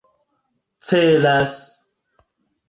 celas